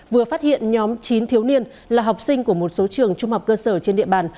vừa phát hiện nhóm chín thiếu niên là học sinh của một số trường trung học cơ sở trên địa bàn